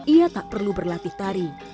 ia tak perlu berlatih tari